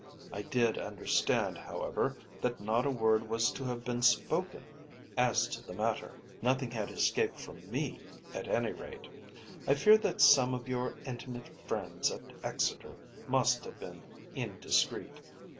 I did understand, however, that not a word was to have been spoken as to the matter. Nothing had escaped from me, at any rate. I fear that some of your intimate friends at Exeter must have been indiscreet.